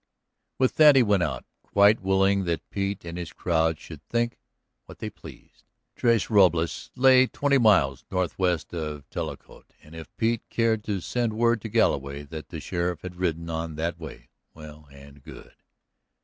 With that he went out. Quite willing that Pete and his crowd should think what they pleased, Tres Robles lay twenty miles northeast of Tecolote, and if Pete cared to send word to Galloway that the sheriff had ridden on that way, well and good.